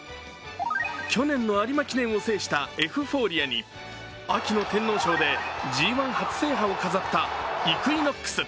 去年の有馬記念を制したエフフォーリアに秋の天皇賞でＧⅠ初制覇を飾ったイクイノックス。